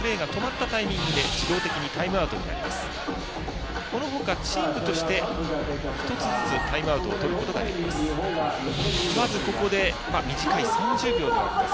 このほか、チームとして１つずつタイムアウトを取ることができます。